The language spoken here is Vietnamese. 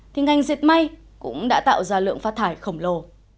thì ngành diệt may cũng đã tạo ra lượng phát thải khổng lồ